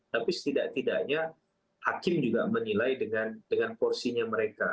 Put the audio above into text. tapi setidak tidaknya hakim juga menilai dengan porsinya mereka